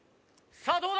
さあどうだ？